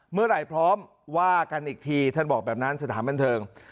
เมื่อไหร่พร้อมว่ากันอีกทีท่านบอกแบบนั้นสถานบันเทิง